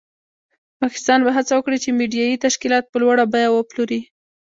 پاکستان به هڅه وکړي چې میډیایي تشکیلات په لوړه بیه وپلوري.